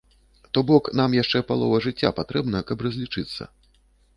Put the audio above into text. То бок, нам яшчэ палова жыцця патрэбна, каб разлічыцца.